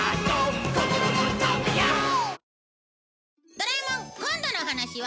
『ドラえもん』今度のお話は？